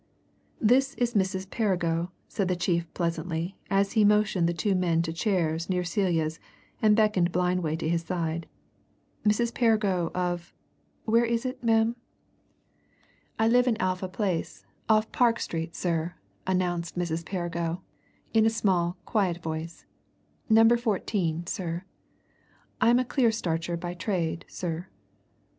"This is Mrs. Perrigo," said the chief pleasantly, as he motioned the two men to chairs near Celia's and beckoned Blindway to his side. "Mrs. Perrigo, of where is it, ma'am?" "I live in Alpha Place, off Park Street, sir," announced Mrs. Perrigo, in a small, quiet voice. "Number 14, sir. I'm a clear starcher by trade, sir."